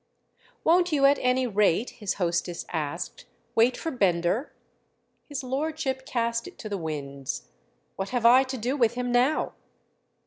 "Won't you at any rate," his hostess asked, "wait for Bender?" His lordship cast it to the winds. "What have I to do with him now?"